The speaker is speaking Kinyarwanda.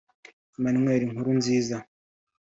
Emmanuel Nkurunziza